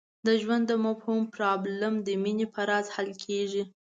د ژوند د مفهوم پرابلم د مینې په راز حل کېږي.